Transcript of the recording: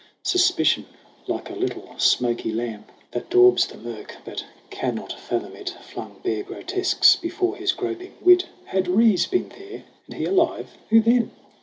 Suspicion, like a little smoky lamp 30 SONG OF HUGH GLASS That daubs the murk but cannot fathom it, Flung blear grotesques before his groping wit. Had Rees been there ? And he alive ? Who then